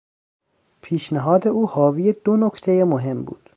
پیشنهاد او حاوی دو نکتهی مهم بود.